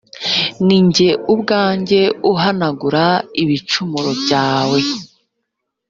ni jye ubwanjye uhanagura d ibicumuro byawe